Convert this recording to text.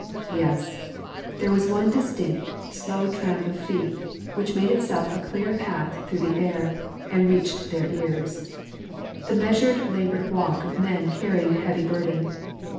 Yes, there was one distinct, slow tramp of feet, which made itself a clear path through the air, and reached their ears; the measured laboured walk of men carrying a heavy burden.